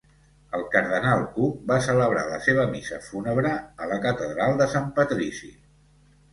El cardenal Cook va celebrar la seva missa fúnebre a la catedral de Sant Patrici.